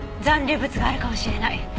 残留物があるかもしれない。